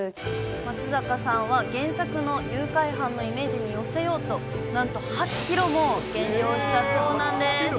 松坂さんは原作の誘拐犯のイメージに寄せようと、なんと８キロも減量したそうなんです。